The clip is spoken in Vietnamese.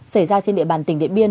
xảy ra trên địa bàn tỉnh điện biên